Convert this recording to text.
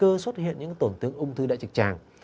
tăng nghi cơ xuất hiện những tổn thương ung thư đại trực tràng